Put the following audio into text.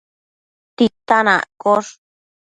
titan accosh